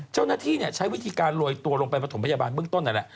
เจ้าหน้าที่ใช้วิธีการโรยตัวลงไปประถมพยาบาลเบื้องต้นนั่นแหละ